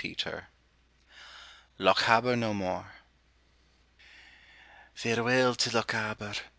ALGER. LOCHABER NO MORE. Farewell to Lochaber!